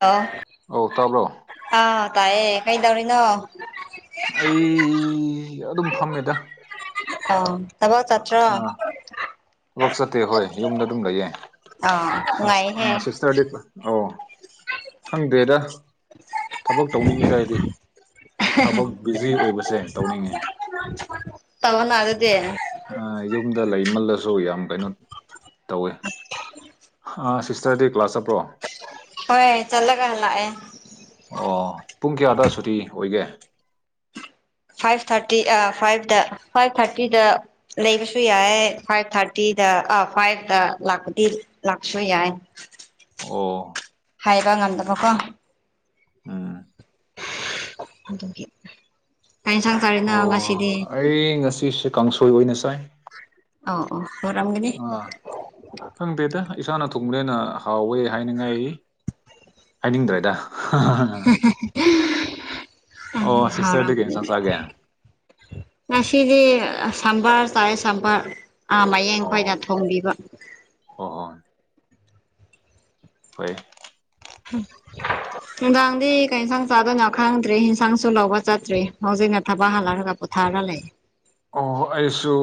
ꯑ ꯑꯧ ꯇꯥꯕ꯭ꯔꯣ ꯑꯥ ꯇꯑꯌꯦ ꯀꯩ ꯇꯧꯔꯤꯅꯣ ꯑꯩ ꯑꯗꯨꯝ ꯐꯝꯃꯦꯗ ꯑ ꯇꯕꯣ ꯆꯠꯇ꯭ꯔ ꯂꯕꯛ ꯆꯠꯇꯦ ꯍꯣꯏ ꯌꯨꯝꯗ ꯑꯗꯨꯝ ꯂꯩꯌꯦ ꯑꯥ ꯑ ꯑ ꯅꯨꯡꯉꯥꯏꯍꯦ ꯁꯇꯔꯗꯦ ꯑꯣ ꯈꯪꯗꯦꯗ ꯊꯕꯛ ꯇꯧꯅꯤꯡꯉꯤꯔ ꯑꯩꯗꯤ ꯊꯕꯛ ꯕꯤꯖꯤ ꯑꯣꯏꯕꯁꯦ ꯇꯧꯅꯤꯡꯉꯤ ꯇꯉꯅꯗꯗꯤꯦ ꯌꯨꯝꯗ ꯂꯩꯃꯜꯂꯁꯨ ꯌꯥꯝ ꯀꯩꯅꯣ ꯇꯧꯋꯦ ꯁꯤꯁꯇꯔꯗꯤ ꯀ꯭ꯂꯥꯁ ꯆꯠꯄ꯭ꯔꯣ ꯍꯣꯏ ꯆꯂꯒ ꯍ ꯂꯥꯛꯦ ꯑꯣ ꯄꯨꯡ ꯀꯌꯥꯗ ꯁꯨꯇꯤ ꯑꯣꯏꯒꯦ ꯐꯥꯏꯚ ꯊꯥꯔꯇꯤ ꯑ ꯐꯥꯏꯚꯇ ꯐꯥꯏꯚ ꯊꯥꯔꯇꯤꯗ ꯂꯩꯕꯁꯨ ꯌꯥꯏ ꯐꯥꯏꯚ ꯊꯥꯔꯇꯤꯗ ꯑꯥ ꯐꯥꯏꯚꯇ ꯂꯥꯛꯄꯗꯤ ꯂꯥꯛꯁꯨꯣꯏ ꯌꯥꯏ ꯑꯣ ꯍꯥꯏꯕ ꯉꯝꯗꯕꯀꯣ ꯎꯝ ꯑꯗꯨꯒꯤ ꯀꯟꯁꯥꯡ ꯆꯥꯔꯤꯅ ꯑꯣ ꯉꯁꯤꯗꯤ ꯑꯩ ꯉꯁꯤꯁꯦ ꯀꯥꯡꯁꯣꯏ ꯑꯣꯏꯅ ꯆꯥꯏ ꯑꯣ ꯑꯣ ꯑꯣꯔꯒꯅꯤ ꯑꯥ ꯈꯪꯗꯦꯗ ꯏꯁꯥꯅ ꯊꯨꯡꯕꯅꯦꯦꯅ ꯍꯥꯎꯋꯦ ꯍꯥꯏꯅꯤꯡꯉꯥꯏ ꯍꯥꯏꯅꯤꯡꯗ꯭ꯔꯦꯗ ꯑꯣ ꯁꯤꯁꯇꯔꯗꯤ ꯀꯩ ꯍꯥꯎꯔꯝꯒꯅꯤ ꯏꯟꯁꯥꯡ ꯆꯥꯒꯦ ꯉꯁꯤꯗꯤ ꯁꯝꯕꯔ ꯆꯥꯔꯦ ꯁꯝꯕꯔ ꯃꯌꯦꯡ ꯈꯣꯏꯅ ꯊꯣꯡꯕꯤꯕ ꯑꯣ ꯑꯣ ꯍꯣꯏ ꯎꯝ ꯅꯨꯡꯗꯥꯡꯗꯤ ꯀꯩ ꯏꯟꯁꯥꯡ ꯆꯥꯗꯅ ꯈꯪꯗ꯭ꯔꯦ ꯏꯟꯁꯥꯡꯁꯨ ꯂꯧꯕ ꯆꯠꯇ꯭ꯔꯦ ꯍꯧꯖꯤꯛꯅ ꯊꯕꯛ ꯍꯜꯂꯔꯒ ꯄꯨꯊ ꯊꯥꯔ ꯂꯩ ꯑꯣ ꯑꯩꯁꯨ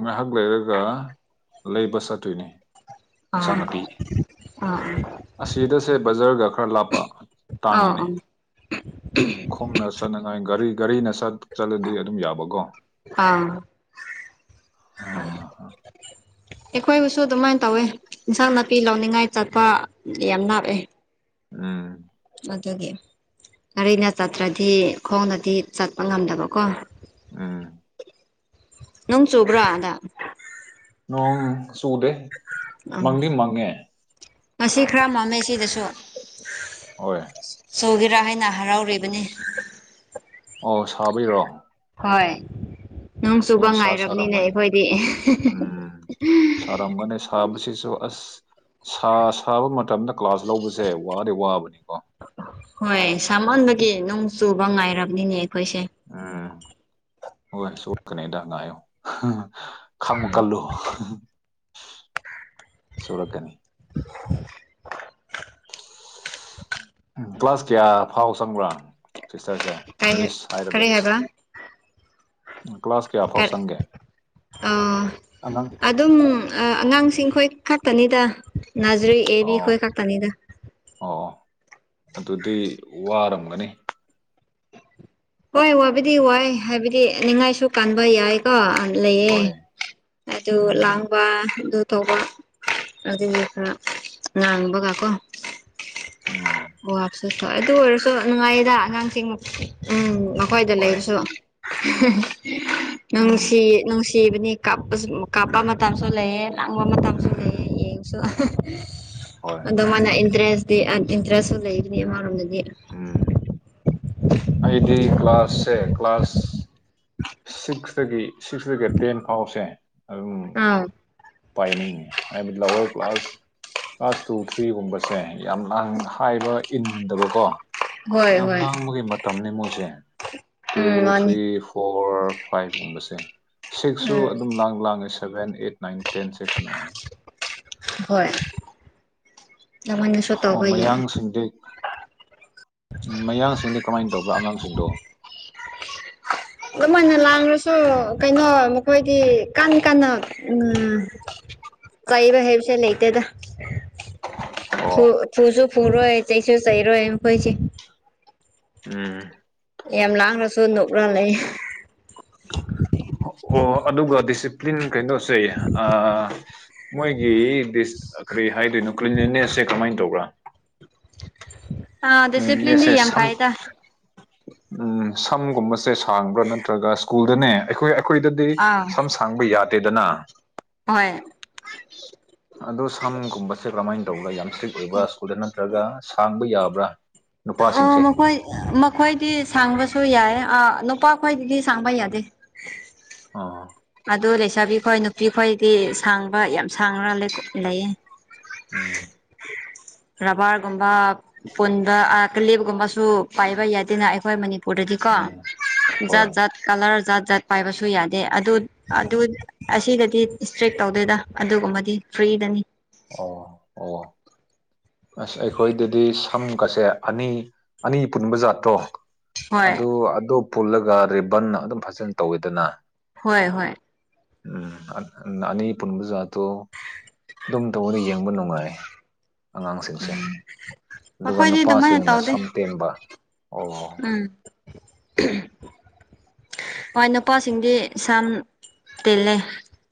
ꯉꯥꯏꯍꯥꯛ ꯂꯩꯔꯒ ꯂꯩꯕ ꯆꯠꯇꯣꯏꯅꯤ ꯏꯟꯁꯥꯡ ꯑꯥ ꯅꯥꯄꯤ ꯑꯥ ꯑꯁꯤꯗꯁꯦ ꯕꯖꯔꯒ ꯈꯔ ꯂꯥꯞꯄ ꯑꯣ ꯇꯥꯡꯉꯤꯅꯦ ꯑꯣ ꯈꯣꯡꯅ ꯆꯠꯅꯉꯥꯏ ꯒꯥꯔꯤ ꯒꯥꯔꯤꯅ ꯆꯠꯂꯗꯤ ꯑꯗꯨꯝ ꯌꯥꯕꯀꯣ ꯑꯥ ꯑꯥ ꯑꯥ ꯑꯩꯈꯣꯏꯕꯨꯁꯨ ꯑꯗꯨꯃꯥꯏꯅ ꯇꯧꯋꯦ ꯏꯟꯁꯥꯡ ꯅꯥꯄꯤ ꯂꯧꯅꯤꯡꯉꯥꯏ ꯆꯠꯄ ꯌꯥꯝ ꯅꯥꯞꯑꯦ ꯎꯝ ꯑꯗꯨꯒꯤ ꯒꯔꯤꯅ ꯆꯠꯇ꯭ꯔꯗꯤ ꯈꯣꯡꯗꯗꯤ ꯆꯠꯄ ꯉꯝꯗꯕꯀꯣ ꯎꯝ ꯅꯪ ꯆꯨꯕ꯭ꯔꯥ ꯑꯗ ꯅꯣꯡ ꯆꯨꯗꯦ ꯑ ꯃꯪꯗꯤ ꯃꯪꯉꯦ ꯉꯁꯤ ꯈꯔ ꯃꯝꯃꯦ ꯁꯤꯗꯁꯨ ꯍꯣꯏ ꯁꯧꯒꯦꯔꯥ ꯍꯥꯏꯅ ꯍꯔꯥꯎꯔꯤꯕꯅꯤ ꯑꯣ ꯁꯥꯕꯩꯔꯣ ꯍꯣꯏ ꯅꯣꯡ ꯆꯨꯕ ꯍꯣꯏ ꯁꯥ ꯉꯥꯏꯔꯕꯅꯤꯅꯦ ꯁꯥꯔꯝꯒꯅꯤ ꯑꯩꯈꯣꯏꯗꯤ ꯁꯔꯒꯅꯤ ꯁꯥꯕꯁꯤꯁꯨ ꯑꯁ ꯁꯥ ꯁꯥꯕ ꯃꯇꯝꯗ ꯀ꯭ꯂꯥꯁ ꯂꯧꯕꯁꯦ ꯋꯥꯗꯤ ꯋꯥꯕꯅꯤꯀꯣ ꯍꯣꯏ ꯁꯝꯍꯟꯕꯒꯤ ꯅꯨꯡ ꯆꯨꯕ ꯉꯥꯏꯔꯕꯅꯤꯅꯦ ꯑꯩꯈꯣꯏꯁꯦ ꯎꯝ ꯍꯣꯏ ꯁꯣꯛꯀꯅꯦꯗ ꯉꯥꯏꯌꯣ ꯈꯥꯡꯕ ꯀꯜꯂꯨ ꯆꯨꯔꯛꯀꯅꯤ [unintelligible] ꯀ꯭ꯂꯥꯁ ꯀꯌꯥ ꯐꯥꯎ ꯆꯪꯕ꯭ꯔꯥ ꯁꯤꯁꯇꯔꯁꯦ ꯀꯩ ꯃꯤꯁ ꯍꯥꯏꯔꯒꯦ ꯀꯔꯤ ꯀ꯭ꯂꯥꯁ ꯀꯌꯥ ꯀ ꯐꯥꯎ ꯆꯪꯒꯦ ꯑꯣ ꯑꯉꯥꯡ ꯑꯗꯨꯝ ꯑꯉꯥꯡꯁꯤꯡ ꯈꯣꯏ ꯈꯛꯇꯅꯤꯗ ꯅꯥꯖꯔꯤ ꯑꯦꯕꯤ ꯑꯣ ꯈꯣꯏ ꯈꯛꯇꯅꯤꯗ ꯑꯣ ꯑꯗꯨꯗꯤ ꯋꯥꯔꯝꯒꯅꯤ ꯍꯣꯏ ꯋꯥꯕꯨꯗꯤ ꯋꯥꯏ ꯍꯥꯏꯕꯗꯤ ꯅꯤꯡꯉꯥꯏꯁꯨ ꯀꯥꯟꯕ ꯌꯥꯏꯀꯣ ꯂꯩꯌꯦ ꯍꯣꯏ ꯑꯗꯨ ꯎꯝ ꯂꯥꯡꯕ ꯑꯗꯨ ꯇꯧꯕ ꯑꯗꯨ ꯈꯔ ꯉꯥꯡꯕꯒ ꯀꯣ ꯎꯝ ꯑꯣꯞꯆ ꯁ ꯑꯗꯨ ꯑꯣꯏꯔꯁꯨ ꯅꯨꯡꯉꯥꯏꯌꯦꯗ ꯑꯉꯥꯡꯁꯃꯛ ꯎꯝ ꯃꯈꯣꯏꯗ ꯍꯣꯏ ꯂꯩꯔꯁꯨ ꯎꯝ ꯅꯨꯡꯁꯤ ꯅꯨꯡꯁꯤ ꯆꯤꯕꯅꯤ ꯀꯥꯞꯄ ꯀꯥꯞꯄ ꯃꯇꯝꯁꯨ ꯂꯩꯌꯦ ꯇꯪꯕ ꯃꯇꯝꯁꯨ ꯎꯝ ꯂꯩꯌꯦ ꯌꯦꯡꯁꯨ ꯍꯣꯏ ꯑꯗꯣ ꯃꯥꯅ ꯏꯟꯇꯔꯦꯁꯇꯤ ꯏꯟꯇꯔꯦꯁꯁꯨ ꯂꯩꯒꯅꯤ ꯑꯃꯔꯣꯝꯗꯗꯤ ꯎꯝ ꯑꯩꯗꯤ ꯀ꯭ꯂꯥꯁꯁꯦ ꯀ꯭ꯂꯥꯁ ꯁꯤꯛꯁꯇꯒꯤ ꯁꯤꯛꯁꯇꯒꯤ ꯇꯦꯟ ꯐꯥꯎꯁꯦ ꯑꯗꯨꯝ ꯑꯥ ꯄꯥꯏꯅꯤꯡꯉꯦ ꯍꯥꯏꯕ ꯂꯋꯔ ꯀ꯭ꯂꯥꯁ ꯀ꯭ꯂꯥꯁ ꯇꯨ ꯊ꯭ꯔꯤꯒꯨꯝꯕꯁꯦ ꯌꯥꯝ ꯍꯥꯏꯕ ꯏꯟꯟꯗꯕꯀꯣ ꯍꯣꯏ ꯌꯥꯝ ꯍꯣꯏ ꯂꯥꯡꯕꯒꯤ ꯃꯇꯝꯅꯤ ꯃꯣꯏꯁꯦ ꯇꯨ ꯎꯝ ꯃꯥꯅꯤ ꯊ꯭ꯔꯤ ꯐꯣꯔ ꯐꯥꯏꯚꯀꯨꯝꯕꯁꯦ ꯁꯤꯛꯁꯁꯨ ꯎꯝ ꯑꯗꯨꯝ ꯂꯥꯡ ꯂꯥꯡꯉꯦ ꯁꯚꯦꯟ ꯑꯩꯠ ꯅꯥꯏꯟ ꯇꯦꯟꯁꯦ ꯀ ꯅꯨꯡꯉꯥꯏ ꯍꯣꯏ ꯅꯉꯣꯜꯗꯁꯨ ꯇꯧꯕ ꯌꯥ ꯁꯤꯡꯗꯤ ꯎꯝ ꯃꯌꯥꯡꯁꯤꯡꯗꯤ ꯀꯃꯥꯏꯅ ꯇꯧꯕ꯭ꯔꯥ ꯑꯉꯥꯡꯁꯤꯡꯗꯣ ꯑꯗꯨꯝ ꯑꯣꯏꯅ ꯉꯥꯡꯔꯁꯨ ꯀꯩꯅꯣ ꯃꯈꯣꯏꯗꯤ ꯏ ꯀꯥꯟ ꯀꯟꯅ ꯎ [unintelligible] ꯆꯩꯕ ꯍꯩꯕꯁꯦ ꯂꯩꯇꯦꯗ ꯑꯣ ꯐꯨꯁꯨ ꯐꯨꯔꯣꯏ ꯆꯩꯁꯨ ꯆꯩꯔꯣꯏ ꯃꯣꯏꯗꯤ ꯎꯝ ꯌꯥꯝ ꯂꯥꯡꯅꯁꯨ ꯅꯣꯛꯂ ꯂꯩ ꯑꯣ ꯑꯗꯨꯒ ꯗꯤꯁꯤꯄ꯭ꯂꯤꯟ ꯀꯩꯅꯣꯁꯦ ꯃꯣꯏꯒꯤ ꯗꯤꯁ ꯀꯔꯤ ꯍꯥꯏꯗꯣꯏꯅꯣ ꯀ꯭ꯂꯤꯂꯤꯅꯦꯁꯁꯦ ꯀꯃꯥꯏꯅ ꯇꯧꯕ꯭ꯔꯥ ꯑꯥ ꯗꯤꯁꯤꯄ꯭ꯂꯤꯟꯗꯤ ꯃꯅꯦꯁꯦ ꯌꯥꯝ ꯁꯝ ꯐꯩꯗ ꯎꯝ ꯁꯝꯒꯨꯝꯕꯁꯦ ꯁꯥꯡꯕ꯭ꯔꯥ ꯅꯠꯇ꯭ꯔꯒ ꯁ꯭ꯀꯨꯜꯗꯅꯦ ꯑꯩꯈꯣꯏ ꯑꯩꯈꯣꯏꯗꯗꯤ ꯑꯥ ꯁꯝ ꯁꯥꯡꯕ ꯌꯥꯗꯦꯗꯅ ꯍꯣꯏ ꯑꯗꯣ ꯁꯝꯒꯨꯝꯕꯁꯦ ꯀꯔꯝꯍꯥꯏꯅ ꯇꯧꯕ꯭ꯔꯥ ꯌꯥꯝ ꯏꯁꯇ꯭ꯔꯤꯛ ꯑꯣꯏꯕ꯭ꯔꯥ ꯁ꯭ꯀꯨꯜꯗ ꯅꯠꯇ꯭ꯔꯒ ꯁꯥꯡꯕ ꯌꯥꯕ꯭ꯔꯥ ꯑ ꯅꯨꯄꯥꯁꯤꯡꯁꯦ ꯃꯈꯣꯏ ꯃꯈꯣꯏꯗꯤ ꯁꯥꯡꯕꯁꯨ ꯌꯥꯏ ꯅꯨꯄꯥ ꯈꯣꯏꯗꯤꯗꯤ ꯁꯥꯡꯕ ꯌꯥꯗꯦ ꯑꯝ ꯑꯗꯨ ꯂꯩꯁꯥꯕꯤ ꯈꯣꯏ ꯅꯨꯄꯤ ꯈꯣꯏꯗꯤ ꯁꯥꯡꯕ ꯌꯥꯝ ꯁꯥꯡꯅ ꯂꯩꯌꯦ ꯎꯝ ꯕꯥꯔꯒꯨꯝꯕ ꯄꯨꯟꯕ ꯀꯒꯨꯝꯕꯁꯨ ꯄꯥꯏꯕ ꯌꯥꯗꯦꯅ ꯑꯩꯈꯣꯏ ꯃꯅꯤꯄꯨꯔ ꯄꯗꯗꯤꯀꯣ ꯎꯝ ꯍꯣꯏ ꯖꯥꯠ ꯖꯥꯠ ꯀꯂꯔ ꯖꯥꯠ ꯖꯥꯠ ꯄꯥꯏꯕꯁꯨ ꯌꯥꯗꯦ ꯑꯗꯨ ꯑꯗꯨ ꯑꯁꯤꯗꯗꯤ ꯏꯁꯇ꯭ꯔꯤꯛ ꯇꯧꯗꯣꯏꯗ ꯑꯗꯨꯒꯨꯝꯕꯗꯤ ꯐ꯭ꯔꯤꯗꯅꯤ ꯑꯣ ꯑꯣ ꯑꯁ ꯑꯩꯈꯣꯏꯗꯗꯤ ꯁꯝꯒꯁꯦ ꯑꯅꯤ ꯑꯅꯤ ꯄꯨꯟꯕ ꯖꯥꯠꯇꯣ ꯍꯣꯏ ꯑꯗꯨ ꯑꯗꯣ ꯄꯨꯜꯂꯒ ꯔꯤꯕꯟ ꯑꯗꯨꯝ ꯐꯖꯅ ꯇꯧꯋꯤꯗꯅ ꯍꯣꯏ ꯍꯣꯏ ꯎꯝ ꯑꯅꯤ ꯄꯨꯟꯕꯖꯥꯠꯗꯣ ꯑꯗꯨꯝ ꯇꯧꯕꯗ ꯌꯦꯡꯕ ꯅꯨꯡꯉꯥꯏꯔꯦ ꯑꯉꯥꯡꯁꯤꯡꯁꯦ ꯑꯗꯨꯒ ꯃꯈꯣꯏꯗꯤ ꯑꯗꯨꯃꯥꯏꯅ ꯅꯨꯄꯥꯁꯤꯡꯅ ꯇꯧꯗꯦ ꯁꯝ ꯇꯦꯟꯕ ꯑꯣ ꯎꯝ ꯍꯣꯏ ꯅꯨꯄꯥꯁꯤꯡꯗꯤ ꯁꯝ ꯇꯦꯜꯂꯦ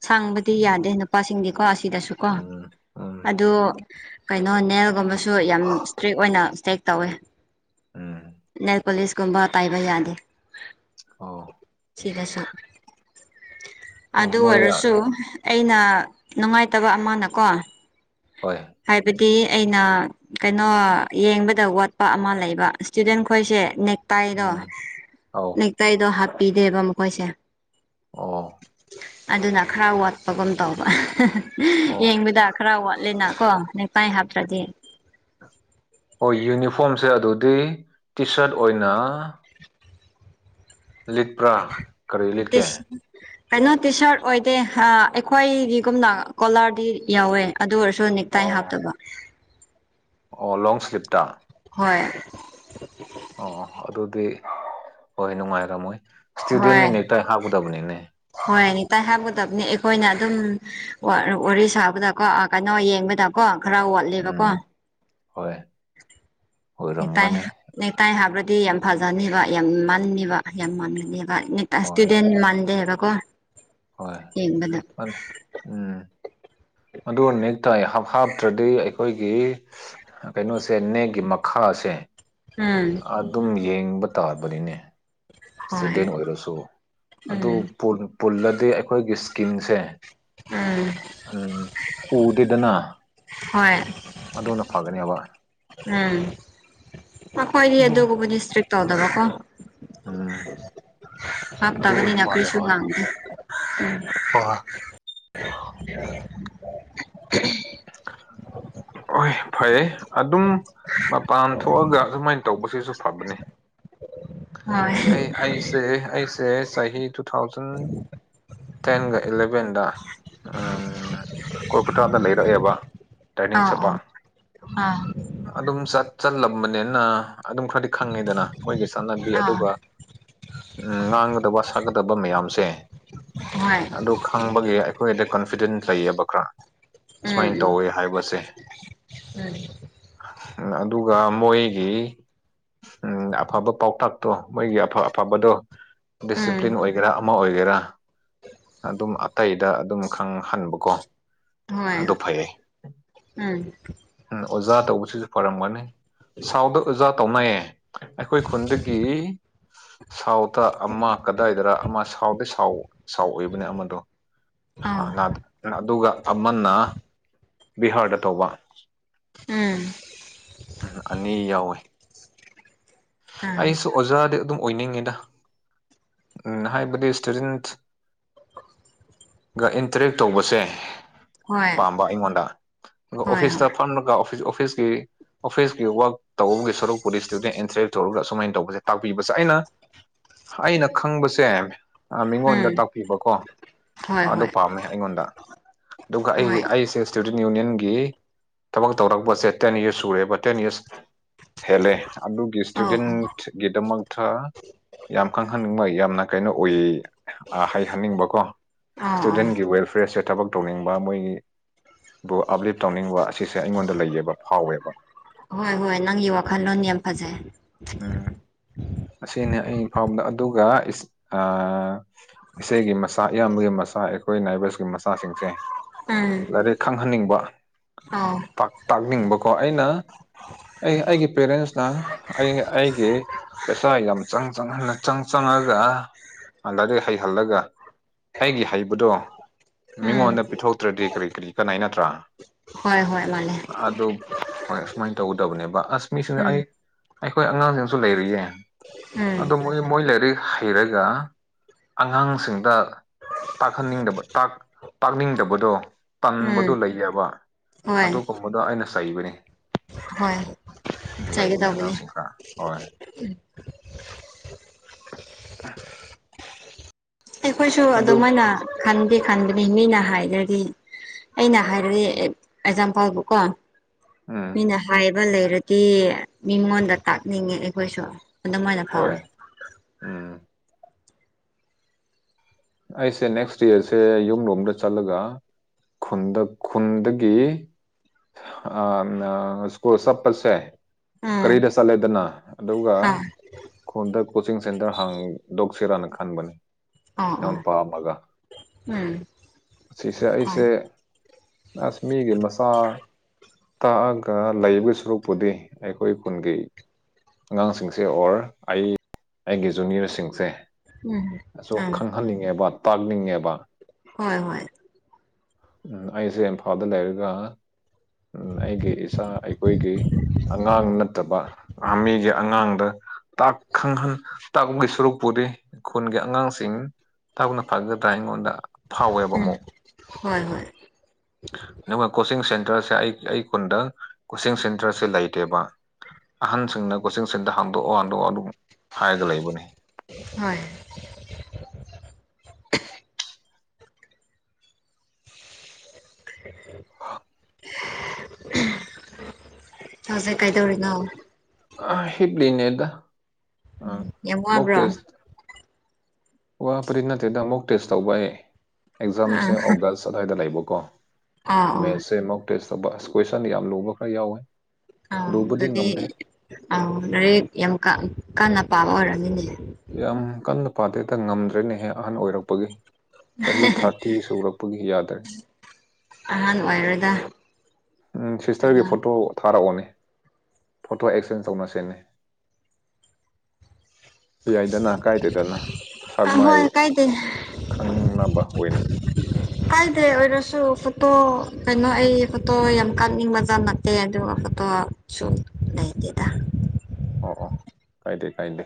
ꯁꯥꯡꯕꯗꯤ ꯌꯥꯗꯦ ꯅꯨꯄꯥꯁꯤꯡꯗꯤꯀꯣ ꯑꯁꯤꯗꯁꯨꯀꯣ ꯎꯝ ꯎꯝ ꯎꯝ ꯑꯗꯣ ꯀꯩꯅꯣ ꯅꯦꯜꯒꯨꯝꯕꯁꯨ ꯌꯥꯝ ꯏꯁꯇ꯭ꯔꯤꯛ ꯑꯣꯏꯅ ꯆꯦꯛ ꯇꯧꯋꯦ ꯎꯝ ꯅꯦꯟꯄꯣꯂꯤꯁꯀꯨꯝꯕ ꯄꯥꯏꯕ ꯌꯥꯗꯦ ꯑꯣ ꯁꯤꯗꯁꯨ ꯑꯗꯨ ꯑꯣ ꯃꯣꯏ ꯑꯣꯏꯔꯁꯨ ꯑꯩꯅ ꯅꯨꯡꯉꯥꯏꯇꯕ ꯑꯃꯅꯀꯣ ꯍꯣꯏ ꯍꯥꯏꯕꯗꯤ ꯑꯩꯅ ꯀꯩꯅꯣ ꯌꯦꯡꯕꯗ ꯋꯥꯠꯄ ꯑꯃ ꯂꯩꯕ ꯏꯁꯇꯨꯗꯦꯟ ꯈꯣꯏꯁꯦ ꯅꯦꯛꯇꯥꯏꯗꯣ ꯎꯝ ꯑꯧ ꯅꯦꯛꯇꯥꯏꯗꯣ ꯍꯥꯞꯄꯤꯗꯦꯕ ꯃꯈꯣꯏꯁꯦ ꯑꯣ ꯑꯗꯨꯅ ꯈꯔ ꯋꯥꯠꯄꯒꯨꯝ ꯇꯧꯕ ꯑꯣ ꯌꯦꯡꯕꯗ ꯈꯔ ꯋꯥꯠꯂꯦꯅꯀꯣ ꯇꯥꯏ ꯍꯥꯞꯇ꯭ꯔꯗꯤ ꯍꯣꯏ ꯌꯨꯅꯤꯐꯣꯔꯝꯁꯦ ꯑꯗꯨꯗꯤ ꯇꯤ ꯁꯥꯔꯠ ꯑꯣꯏꯅ ꯂꯤꯠꯄ꯭ꯔꯥ ꯀꯔꯤ ꯂꯤꯠꯀꯦ ꯇꯤꯁ ꯀꯩꯅꯣ ꯇꯤ ꯁꯥꯔꯠ ꯑꯣꯏꯗꯦ ꯑꯩꯈꯣꯏꯗꯤꯒꯨꯝꯅ ꯀꯣꯂꯔꯗꯤ ꯌꯥꯎꯋꯦ ꯑꯗꯨ ꯑꯣꯏꯔꯁꯨ ꯅꯦꯛ ꯇꯥꯏ ꯑꯣ ꯍꯥꯞꯇꯕ ꯑꯣ ꯂꯣꯡ ꯁ꯭꯭ꯂꯤꯞꯇ ꯍꯣꯏ ꯑꯣ ꯑꯗꯨꯗꯤ ꯍꯣꯏ ꯅꯨꯡꯉꯥꯏꯔꯝꯃꯣꯏ ꯏꯁꯇꯨꯗꯦꯟꯗ ꯍꯣꯏ ꯅꯦꯛꯇꯥꯏ ꯍꯥꯞꯀꯗꯕꯅꯤꯅꯦ ꯍꯣꯏ ꯅꯦꯛꯇꯥꯏ ꯍꯥꯞꯒꯗꯕꯅꯤ ꯑꯩꯈꯣꯏꯅ ꯑꯗꯨꯝ ꯋꯥꯔꯤ ꯁꯥꯕꯗꯀꯣ ꯀꯩꯅꯣ ꯌꯦꯡꯕꯗꯀꯣ ꯈꯔ ꯎꯝ ꯋꯥꯠꯂꯦꯕꯀꯣ ꯍꯣꯏ ꯇꯥꯏ ꯑꯣꯏꯔꯝꯒꯅꯤ ꯅꯦꯇꯥꯏ ꯍꯥꯕ꯭ꯔꯗꯤ ꯌꯥꯝ ꯐꯖꯅꯤꯕ ꯌꯥꯝ ꯃꯟꯅꯤꯕ ꯌꯥꯝ ꯃꯥꯟꯒꯅꯤꯕ ꯍꯣꯏ ꯏꯁꯇꯨꯗꯦꯟ ꯃꯥꯟꯗꯦ ꯍꯥꯏꯕꯀꯣ ꯍꯣꯏ ꯌꯦꯡꯕꯗ ꯎꯝ ꯑꯗꯨ ꯅꯦꯛꯇꯥꯏ ꯍꯥꯞ ꯍꯥꯞ ꯅꯠꯇ꯭ꯔꯗꯤ ꯑꯩꯈꯣꯏꯒꯤ ꯀꯩꯅꯣꯁꯦ ꯅꯦꯛꯒꯤ ꯃꯈꯥꯁꯦ ꯎꯝ ꯑꯗꯨꯝ ꯌꯦꯡꯕ ꯇꯥꯕꯅꯤꯅꯦ ꯍꯣꯏ ꯏꯁꯇꯨꯗꯦꯟ ꯑꯣꯏꯔꯁꯨ ꯑꯗꯨ ꯎꯝ ꯄꯨꯜꯂꯗꯤ ꯑꯩꯈꯣꯏꯒꯤ ꯏꯁꯀꯤꯟꯁꯦ ꯎꯝ ꯎꯝ ꯎꯗꯦꯗꯅ ꯍꯣꯏ ꯑꯗꯨꯅ ꯐꯒꯅꯤ ꯎꯝ ꯃꯈꯣꯏꯒꯤ ꯑꯗꯨ ꯑꯗꯨꯒꯨꯝꯕꯗꯤ ꯏꯁꯇ꯭ꯔꯤꯛ ꯇꯧꯗꯕꯀꯣ ꯎꯝ ꯍꯥꯞ ꯑꯗꯨ ꯇꯥꯕꯅꯤ ꯑꯣꯏꯕ ꯅ ꯃꯥꯜꯂꯦ ꯀꯔꯤꯁꯨꯨ ꯉꯥꯡꯗꯦ ꯍꯣꯏ ꯍꯣꯏ ꯍꯣꯏ ꯐꯩꯌꯦ ꯑꯗꯨꯝ ꯃꯄꯥꯟ ꯊꯣꯛꯑꯒ ꯑꯗꯨꯃꯥꯏꯅ ꯇꯧꯕꯁꯤꯁꯨ ꯐꯕꯅꯦ ꯍꯣꯏ ꯑꯩ ꯑꯩꯁꯦ ꯑꯩꯁꯦ ꯆꯍꯤ ꯇꯨ ꯊꯥꯎꯖꯟ ꯇꯦꯟꯒ ꯏꯂꯚꯦꯟꯗ ꯀꯣꯜꯀꯇꯥꯗ ꯂꯩꯔꯛꯑꯦꯕ ꯇꯔꯦꯅꯤꯡ ꯑꯥ ꯑꯣ ꯆꯠꯄ ꯑꯥ ꯑꯗꯨꯝ ꯆꯠ ꯆꯠꯂꯝꯕꯅꯤꯅ ꯑꯗꯨꯝ ꯈꯔꯗꯤ ꯈꯪꯉꯤꯗꯅ ꯃꯣꯏꯒꯤ ꯆꯕꯤ ꯑꯥ ꯑꯗꯨꯒ ꯎꯝ ꯉꯥꯡꯒꯗꯕ ꯁꯛꯒꯗꯕ ꯃꯌꯥꯝꯁꯦ ꯍꯣꯏ ꯑꯗꯨ ꯈꯪꯕꯒꯤ ꯑꯩꯈꯣꯏꯗ ꯀꯟꯐꯤꯗꯦꯟꯁ ꯂꯩꯌꯦꯕ ꯈꯔ ꯁꯨꯃꯥꯏꯅ ꯇꯧꯋꯦ ꯍꯥꯏꯕꯁꯦ ꯑꯅꯦ ꯎꯝ ꯑꯗꯨꯒ ꯃꯣꯏꯒꯤ ꯎꯝ ꯑꯐꯕ ꯄꯥꯎꯇꯥꯛꯇꯣ ꯃꯣꯏꯒꯤ ꯑꯐ ꯑꯐꯕꯗꯣ ꯎꯝ ꯎꯝ ꯎꯝ ꯗꯤꯁꯤꯄ꯭ꯂꯤꯟ ꯑꯣꯏ ꯑꯣꯏꯒꯦꯔꯥ ꯑꯃ ꯑꯣꯏꯒꯦꯔꯥ ꯑꯗꯨꯝ ꯑꯇꯩꯗ ꯑꯗꯨꯝ ꯈꯪꯍꯟꯕꯀꯣ ꯍꯣꯏ ꯑꯗꯨ ꯐꯩꯌꯦ ꯎꯝ ꯑꯣꯖꯥ ꯇꯧꯕꯁꯤꯁꯨ ꯐꯔꯝꯒꯅꯤ ꯁꯥꯎꯗ ꯑꯣꯖꯥ ꯇꯧꯅꯩꯌꯦ ꯑꯩꯈꯣꯏ ꯈꯨꯟꯗꯒꯤ ꯁꯥꯎꯗ ꯑꯃ ꯀꯗꯥꯏꯗꯔ ꯑꯃ ꯁꯥꯎꯗꯤ ꯁꯥꯎ ꯁꯥꯎꯑꯣꯢꯕꯅꯦ ꯑꯃꯗꯣ ꯑꯥ ꯑꯗꯨꯒ ꯑꯃꯅ ꯕꯤꯍꯥꯔꯗ ꯇꯧꯕ ꯎꯝ ꯎꯝ ꯑꯅꯤ ꯌꯥꯎꯋꯤ ꯑꯥ ꯑꯩꯁꯨ ꯑꯣꯖꯥꯗꯤ ꯑꯗꯨꯝ ꯑꯣꯏꯅꯤꯡꯉꯤꯗ ꯎꯝ ꯍꯥꯏꯕꯗꯤ ꯏꯁꯇꯨꯗꯦꯟ ꯒ ꯏꯟꯇꯔꯦꯛ ꯇꯧꯕꯁꯦ ꯍꯣꯏ ꯄꯥꯝꯕ ꯑꯩꯉꯣꯟꯗ ꯑꯗꯨꯒ ꯑꯣꯐꯤꯁꯇ ꯍꯣꯏ ꯐꯝꯃꯔꯒ ꯑꯣꯐꯤꯁ ꯑꯣꯐꯤꯁꯀꯤ ꯑꯣꯐꯤꯁꯀꯤ ꯋꯥꯛ ꯇꯧꯕꯒꯤ ꯁꯔꯨꯛ ꯄꯨꯗꯤ ꯏꯁꯇꯨꯗꯦꯟ ꯑꯦꯟꯇꯔꯦꯛ ꯇꯧꯔꯒ ꯁꯨꯃꯥꯏꯅ ꯇꯧꯕꯁꯦ ꯇꯥꯛꯄꯤꯕꯁꯦ ꯑꯩꯅ ꯑꯩꯅ ꯈꯪꯕꯁꯦ ꯑ ꯍꯣꯏ ꯃꯤꯉꯣꯟꯗ ꯎꯝ ꯇꯥꯛꯄꯤꯕꯀꯣ ꯍꯣꯏ ꯑꯗꯨ ꯍꯣꯏ ꯄꯥꯝꯃꯦ ꯑꯩꯉꯣꯟꯗ ꯑꯗꯨꯒ ꯑꯩ ꯍꯣꯏ ꯑꯩ ꯁꯦꯁ ꯏꯁꯇꯨꯗꯦꯟ ꯌꯨꯅꯤꯌꯟꯒꯤ ꯊꯕꯛ ꯇꯧꯔꯛꯄꯁꯦ ꯇꯦꯟ ꯌꯤꯔꯁ ꯁꯨꯔꯦꯕ ꯇꯦꯟ ꯌꯤꯔꯁ ꯍꯦꯂꯦ ꯑꯗꯨꯒꯤ ꯑꯧ ꯑꯧ ꯒꯤꯗꯃꯛꯇ ꯌꯥꯝ ꯈꯪꯍꯟꯅꯤꯡꯕ ꯌꯥꯝꯅ ꯀꯩꯅꯣ ꯑꯣꯏꯌꯦ ꯍꯥꯏꯍꯟꯅꯤꯡꯕꯀꯣ ꯏꯁꯇꯨꯗꯦꯟꯒꯤ ꯑꯧ ꯋꯦꯜꯐꯤꯌꯔꯁꯦ ꯊꯕꯛ ꯇꯧꯅꯤꯡꯕ ꯃꯣꯏꯒꯤ ꯕꯨ ꯑꯞꯂꯤꯞ ꯇꯧꯅꯤꯡꯕ ꯑꯁꯤꯁꯦ ꯑꯩꯉꯣꯟꯗ ꯂꯩꯌꯦꯕ ꯐꯥꯎꯋꯦꯕ ꯍꯣꯏ ꯍꯣꯏ ꯅꯪꯒꯤ ꯋꯥꯈꯜꯂꯣꯟ ꯌꯥꯝ ꯐꯖꯩ ꯎꯝ ꯑꯁꯤꯅꯤ ꯑꯩ ꯐꯥꯎꯕꯗ ꯑꯗꯨꯒ ꯏꯆꯦꯒꯤ ꯃꯆꯥ ꯏꯌꯥꯝꯕꯒꯤ ꯃꯆꯥꯥ ꯑꯩꯈꯣꯏ ꯅꯥꯏꯕꯁꯀꯤ ꯃꯆꯥꯥ ꯃꯆꯥꯁꯤꯡꯁꯦ ꯎꯝ ꯂꯥꯏꯔꯤꯛ ꯈꯪꯍꯟꯅꯤꯡꯕ ꯑꯧ ꯇꯥꯛꯅꯤꯡꯕꯀꯣ ꯑꯩꯅ ꯑꯩ ꯑꯩꯒꯤ ꯄꯦꯔꯦꯟꯁꯅ ꯑꯩ ꯑꯩꯒꯤ ꯄꯩꯁꯥ ꯌꯥꯝ ꯆꯪ ꯆꯪꯍꯟꯅ ꯆꯪ ꯆꯪꯉꯒ ꯑꯟꯂꯗꯒꯤ ꯍꯩꯍꯜꯂꯒ ꯑꯩꯒꯤ ꯍꯩꯕꯗꯣ ꯎꯝ ꯃꯤꯉꯣꯟꯗ ꯄꯤꯊꯣꯛꯇ꯭ꯔꯗꯤ ꯀꯔꯤ ꯀꯔꯤ ꯀꯅꯥ ꯅꯠꯇ꯭ꯔꯥ ꯍꯣꯏ ꯍꯣꯏ ꯃꯥꯜꯂꯦ ꯑꯗꯨ ꯍꯣꯏ ꯑꯨꯃꯥꯏꯅ ꯇꯧꯒꯗꯕꯅꯦꯕ ꯑꯁꯃꯤꯁꯤꯡꯁ ꯎꯝ ꯑꯩ ꯑꯩꯈꯣꯏ ꯑꯉꯥꯡꯁꯤꯡꯁꯨ ꯂꯩꯔꯤꯌꯦ ꯎꯝ ꯑꯗꯣ ꯃꯣꯏ ꯃꯣꯏ ꯂꯩꯔꯤ ꯍꯩꯔꯒ ꯑꯉꯥꯡꯁꯤꯡꯗ ꯇꯥꯛꯍꯟꯅꯤꯡꯗꯕ ꯇꯥꯛ ꯇꯥꯛꯅꯤꯡꯗꯕꯗꯣ ꯎꯝ ꯇꯟꯕꯗꯣ ꯂꯩꯌꯦꯕ ꯍꯣꯏ ꯑꯗꯨꯒꯨꯝꯕꯗꯣ ꯑꯩꯅ ꯆꯩꯕꯅꯤ ꯍꯣꯏ ꯆꯩꯒꯦ ꯂꯩꯕꯅꯦ ꯇꯧꯕꯅꯦ ꯑꯉꯥꯡꯁꯤꯡ ꯍꯣꯏ ꯑꯩꯈꯣꯏꯁꯨ ꯑꯗꯨ ꯑꯗꯨꯃꯥꯏꯅ ꯈꯟꯒꯦ ꯈꯟꯗꯅꯤ ꯃꯤꯅ ꯍꯥꯏꯗ꯭ꯔꯗꯤ ꯑꯩꯅ ꯍꯥꯏꯔꯗꯤ ꯑꯦꯛꯖꯥꯝꯄꯥꯜꯕꯨ ꯀꯣ ꯎꯝ ꯃꯤꯅ ꯍꯥꯏꯕ ꯂꯩꯔꯗꯤ ꯃꯤꯉꯣꯟꯗ ꯇꯥꯛꯅꯤꯡꯉꯦ ꯑꯩꯈꯣꯏꯁꯨ ꯑꯗꯨꯗꯝꯥꯏꯅ ꯍꯣꯏ ꯐꯥꯎꯋꯤ ꯎꯝ ꯑꯩꯁꯦ ꯅꯦꯛꯁ ꯗꯌꯥꯔꯁꯦ ꯌꯨꯝꯂꯣꯝꯗ ꯆꯠꯂꯒ ꯈꯨꯟꯗ ꯈꯨꯟꯗꯒꯤ ꯑ ꯁꯀꯣ ꯁ ꯄꯁ ꯍꯥꯏ ꯎꯝ ꯀꯔꯤꯗ ꯆꯠꯂꯦꯗꯅ ꯑꯗꯨꯒ ꯑꯥ ꯈꯣꯟꯗ ꯀꯣꯆꯤꯡ ꯁꯦꯟꯇꯔ ꯍꯥꯡꯗꯣꯛꯁꯤꯔꯥꯅ ꯈꯟꯕꯅꯤ ꯑꯥ ꯌꯥꯝ ꯑꯥ ꯄꯥꯝꯃꯒ ꯎꯝ ꯑꯁꯤꯁꯦ ꯍꯣꯏ ꯑꯩꯁꯦ ꯑꯁꯃꯤꯒꯤ ꯃꯁꯥ ꯇꯥꯛꯑꯒ ꯂꯩꯕ ꯁꯔꯨꯛꯄꯨꯗꯤ ꯑꯩꯈꯣꯏ ꯈꯨꯟꯒꯤ ꯑꯉꯥꯡꯁꯤꯡꯁꯦ ꯑꯣꯔ ꯑꯩ ꯑꯩꯒꯤ ꯖꯨꯅꯤꯌꯔꯁꯤꯡꯁꯦ ꯎꯝ ꯑꯝ ꯇꯥꯛꯍꯟꯅꯤꯡꯉꯦꯕ ꯇꯥꯛꯅꯤꯡꯉꯦꯕ ꯍꯣꯏ ꯍꯣꯏ ꯎꯝ ꯑꯩꯁꯦ ꯏꯝꯐꯥꯜꯗ ꯂꯩꯔꯒ ꯎꯝ ꯑꯩꯒꯤ ꯏꯥ ꯑꯩꯈꯣꯏꯒꯤ ꯑꯉꯥꯡ ꯅꯠꯇꯕ ꯍꯥ ꯃꯤꯒꯤ ꯑꯉꯥꯡꯗ ꯇꯥꯛ ꯈꯪꯍꯟ ꯇꯥꯛꯄꯒꯤ ꯁꯔꯨꯛ ꯄꯨꯔꯤ ꯈꯨꯣꯟꯒꯤ ꯑꯉꯥꯡꯁꯤꯡ ꯁꯤꯡ ꯊꯅ ꯐꯒꯗ꯭ꯔꯥ ꯑꯩꯉꯣꯟꯗ ꯐꯥꯎꯋꯦꯕ ꯎꯝ ꯑꯃꯨꯛ ꯍꯣꯏ ꯍꯣꯏ ꯑꯗꯨꯒ ꯀꯣꯆꯤꯡ ꯁꯦꯟꯇꯔꯁꯦ ꯑꯩ ꯑꯩ ꯈꯨꯟꯗ ꯀꯣꯆꯤꯡ ꯁꯦꯟꯇꯔꯁꯦ ꯂꯩꯇꯦꯕ ꯑꯍꯟꯁꯤꯡꯅ ꯀꯣꯆꯤꯡ ꯁꯦꯟꯗ ꯍꯥꯡꯗꯣꯛꯑꯣ ꯍꯥꯡꯗꯣꯛꯑꯣ ꯑꯗꯨꯝ ꯍꯥꯏꯔꯒ ꯂꯩꯕꯅꯤ ꯍꯣꯏ [unintelligible] ꯇꯁꯦ ꯀꯥꯏꯗꯧꯔꯤꯅꯣ ꯑ ꯍꯠꯂꯤ ꯏꯅꯦꯗ ꯑꯥ ꯌꯥꯝ ꯃꯨꯛ ꯋꯥꯕ꯭ꯔꯣ ꯇꯦꯁ ꯋꯥ ꯐꯔꯤ ꯅꯠꯇꯦꯗ ꯃꯨꯛ ꯇꯦꯁ ꯇꯧꯕ ꯑꯥ ꯑꯥ ꯑꯦꯛꯖꯥꯝꯁꯦ ꯑꯣꯒꯁ ꯑꯗꯨ꯭ꯋꯥꯏꯗ ꯂꯩꯕꯀꯣ ꯑꯣ ꯃꯦꯁꯦ ꯑꯃꯨꯛ ꯇꯦꯁ ꯇꯧꯕ ꯑꯁ ꯀꯣꯏꯁꯟ ꯌꯥꯝ ꯂꯨꯕ ꯈꯔ ꯌꯥꯎꯋꯦ ꯑꯥꯎ ꯂꯨꯕꯗꯤ ꯑꯗꯨꯗꯤ ꯉꯝꯗꯦ ꯑꯥꯎ ꯂꯦꯛ ꯌꯥꯝ ꯀꯥꯟꯟꯅ ꯄꯥꯕ ꯑꯣꯏꯔꯝꯃꯤꯅꯦ ꯌꯥꯝ ꯀꯟꯅ ꯄꯥꯗꯦꯗ ꯉꯝꯗ꯭ꯔꯦꯅꯦꯍꯦ ꯑꯍꯟ ꯑꯣꯏꯔꯛꯄꯒꯤ ꯆꯍꯤ ꯊꯥꯔꯇꯤ ꯁꯨꯔꯛꯄꯒꯤ ꯌꯥꯗ꯭ꯔꯦ ꯑꯍꯥꯟ ꯑꯣꯏꯔꯗ ꯁꯤꯁꯇꯔꯒꯤ ꯐꯣꯇꯣ ꯊꯥꯔꯛꯑꯣꯅꯦ ꯐꯣꯇꯣ ꯑꯦꯛꯆꯦꯟꯁ ꯇꯧꯅ ꯁꯤꯅꯤ ꯄꯤ ꯌꯥꯏꯗꯅ ꯀꯥꯏꯇꯦꯗꯅ ꯁꯃ ꯍꯣꯏ ꯀꯥꯏꯗꯦ ꯈꯪꯅꯕ ꯑꯣꯏꯅ ꯀꯥꯏꯗꯦ ꯑꯣꯏꯔꯁꯨ ꯐꯣꯇꯣ ꯀꯩꯅꯣ ꯑꯩ ꯐꯣꯇꯣ ꯌꯥꯝ ꯀꯥꯅꯤꯡꯕꯖ ꯀ ꯑꯗꯨ ꯐꯇꯣ ꯆ ꯂꯩ ꯑꯣ ꯑꯣ ꯀꯥꯏꯗꯦ ꯀꯥꯏꯗꯦ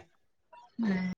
ꯎꯝ